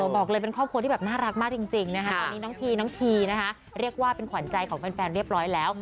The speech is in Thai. บอกเลยเป็นครอบครัวที่แบบน่ารักมากจริงนะคะตอนนี้น้องพีน้องทีนะคะเรียกว่าเป็นขวัญใจของแฟนเรียบร้อยแล้ว